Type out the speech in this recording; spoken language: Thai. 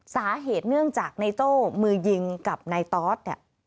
สาเหตุเนื่องจากนายโจมือยิงกับนายตอส